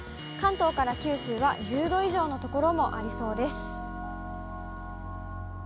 関東から九州は１０度以上の所もありそうです。